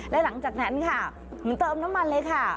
และหลังจากนั้นค่ะเหมือนเติมน้ำมันเลยค่ะ